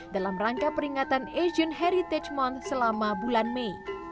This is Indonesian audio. dalam rangka peringatan asian heritage mone selama bulan mei